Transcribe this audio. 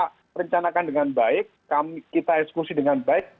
kita rencanakan dengan baik kita ekskusi dengan baik